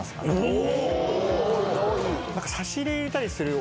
お。